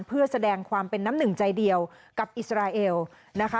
เพื่อแสดงความเป็นน้ำหนึ่งใจเดียวกับอิสราเอลนะคะ